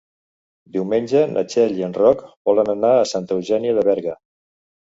Diumenge na Txell i en Roc volen anar a Santa Eugènia de Berga.